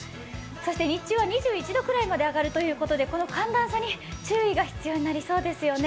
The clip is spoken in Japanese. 日中は２１度くらいまで上がるということで、この寒暖差に注意が必要になりそうですよね。